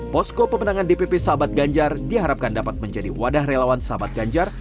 posko pemenangan dpp sahabat ganjar diharapkan dapat menjadi wadah relawan sahabat ganjar